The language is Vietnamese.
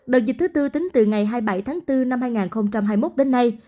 đợt dịch thứ tư tính từ ngày hai mươi bảy tháng bốn năm hai nghìn hai mươi một đến nay